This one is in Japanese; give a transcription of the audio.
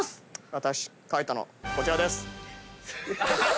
私が描いたのはこちらです。